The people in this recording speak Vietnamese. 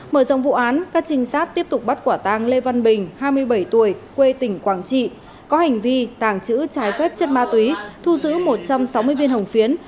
mở rộng vụ án các trinh sát tiếp tục bắt quả tàng lê văn bình hai mươi bảy tuổi quê tỉnh quảng trị có hành vi tàng trữ trái phép chất ma túy thu giữ một trăm sáu mươi viên hồng phiến